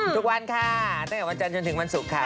ทุกวันค่ะตั้งแต่วันใจจนถึงวันสุขค่ะ